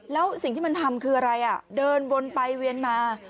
แล้วสิ่งที่มันทำคืออะไรเดินวนไปเวียนมา